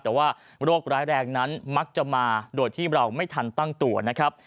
แต่ว่าโรคร้ายแรงนั้นมักจะมาโดยที่เราไม่ทันตั้งตัวนะครับ